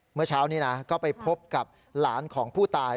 เมื่อเช้านี้นะก็ไปพบกับหลานของผู้ตาย